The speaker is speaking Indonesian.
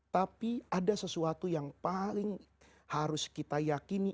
tapi ada sesuatu yang paling harus kita yakini